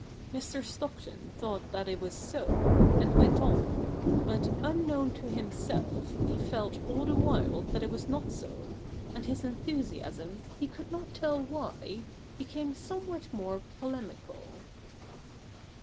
Mr. Stockton thought that it was so, and went on ; but, unknown to himself, he felt all the while that it was not so, and his enthusiasm, he could not tell why, became somewhat more polemical.